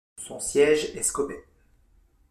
Son siège est Scobey.